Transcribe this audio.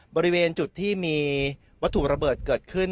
บริเวณจุดที่มีวัตถุระเบิดเกิดขึ้น